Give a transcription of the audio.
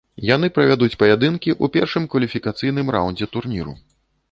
Яны правядуць паядынкі ў першым кваліфікацыйным раундзе турніру.